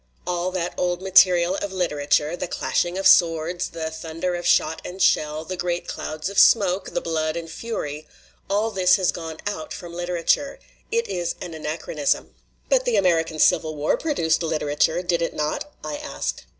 All that old material of literature the clashing of swords, the thunder of shot and shell, the great clouds of smoke, the blood and fury all this has gone out from literature. It is an anachronism." "But the American Civil War produced litera ture, did it not?" I asked.